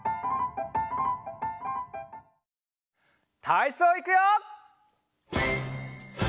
たいそういくよ！